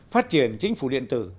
phát triển chính phủ điện tử